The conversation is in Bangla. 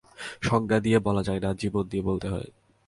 সংজ্ঞা দিয়ে বলা যায় না, জীবন দিয়ে বলতে হয়।